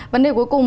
vấn đề cuối cùng